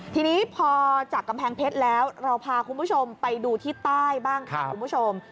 ทีนี้พอจากกำแพงเพชรแล้วเราพาคุณผู้ชมไปดูที่ใต้บ้างค่ะคุณผู้ชม